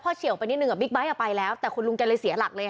พอเฉียวไปนิดนึงบิ๊กไบท์ไปแล้วแต่ขุนลุงเสียหลักเลย